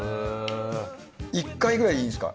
１回くらいでいいんですか？